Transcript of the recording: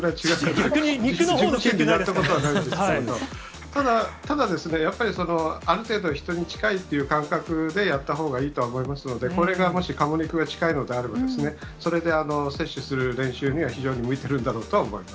逆に肉のほうの経験ないんでただですね、やっぱり、ある程度、人に近いっていう感覚でやったほうがいいとは思いますので、これがもし、カモ肉が近いのであれば、それで接種する練習には非常に向いてるんだろうとは思います。